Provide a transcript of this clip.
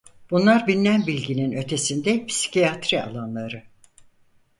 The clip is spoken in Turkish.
Bunlar bilinen bilginin ötesinde psikiyatri alanları.